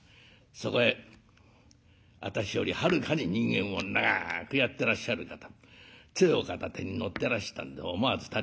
そこへ私よりはるかに人間を長くやってらっしゃる方つえを片手に乗ってらしたんで思わず立ち上がっちゃいましたね。